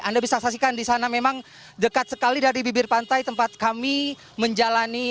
anda bisa saksikan di sana memang dekat sekali dari bibir pantai tempat kami menjalani